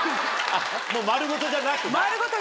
もう丸ごとじゃなくてな。